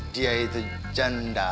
dia itu janda